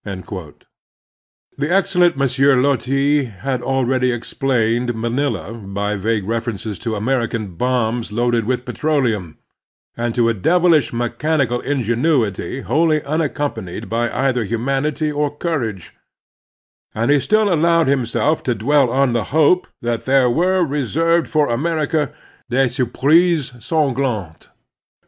The excellent M. Loti had already explained Manila by vague references to American bombs loaded with petroletun, and to a devilish mechanical ingenuity wholly unaccompanied by either human ity or courage, and he still allowed himself to dwell on the hope that there were reserved for America des surprises sanglantes.